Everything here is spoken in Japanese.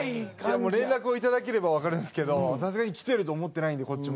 もう連絡を頂ければわかるんですけどさすがに来てると思ってないんでこっちも。